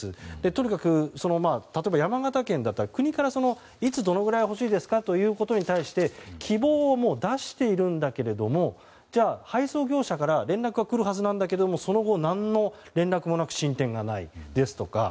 とにかく、例えば山形県なら国から、いつどのくらい欲しいですかということに対してもう希望を出しているんだけどもじゃあ配送業者から連絡が来るはずなんだけどその後、何の連絡もなく進展がないですとか。